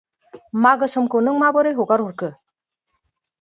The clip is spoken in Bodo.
मागो समखौ नों माबोरै हगारो हरखो?